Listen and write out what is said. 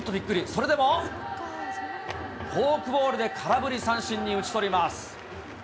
それでもフォークボールで空振り三振に打ち取ります。